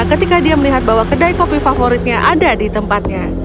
ketika dia melihat bahwa kedai kopi favoritnya ada di tempatnya